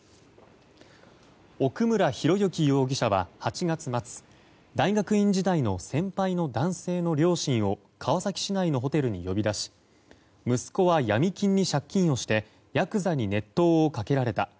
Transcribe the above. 奥村啓志容疑者は８月末大学院時代の先輩の男性の両親を川崎市内のホテルに呼び出し息子はヤミ金に借金をしてやくざに熱湯をかけられた。